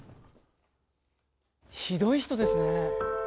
ひどい人ですね。